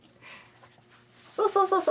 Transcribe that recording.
そうそうそうそう。